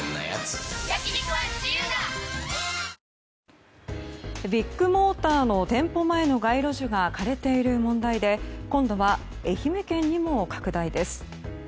はぁビッグモーターの店舗前の街路樹が枯れている問題で今度は愛媛県にも拡大です。